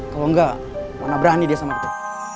kalau enggak warna berani dia sama kita